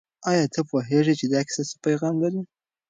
آیا ته پوهېږې چې دا کیسه څه پیغام لري؟